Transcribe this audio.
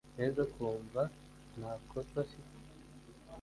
neza akumva ntakosa afite.